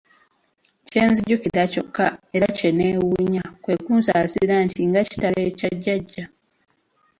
Kye nzijukira kyokka era kye neewuunya kwe kunsaasira nti nga kitalo ekya Jjajja.